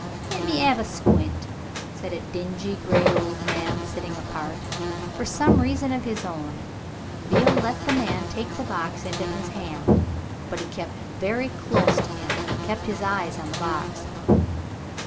"Let me 'ave a squint," said a dingy gray old man sitting apart. For some reason of his own Beale let the old man take the box into his hand. But he kept very close to him and he kept his eyes on the box.